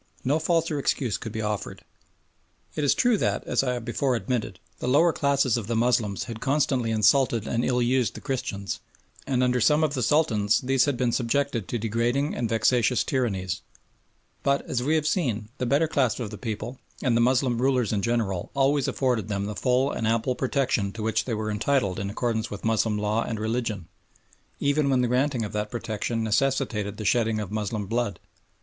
No falser excuse could be offered. It is true that, as I have before admitted, the lower classes of the Moslems had constantly insulted and ill used the Christians, and under some of the Sultans these had been subjected to degrading and vexatious tyrannies; but, as we have seen, the better class of the people and the Moslem rulers in general always afforded them the full and ample protection to which they were entitled in accordance with Moslem law and religion, even when the granting of that protection necessitated the shedding of Moslem blood.